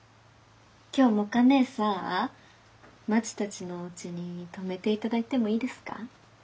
今日もか姉さあまちたちのおうちに泊めて頂いてもいいですか？